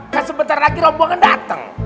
kan sebentar lagi rombongan datang